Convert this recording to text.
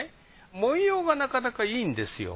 文様がなかなかいいんですよ。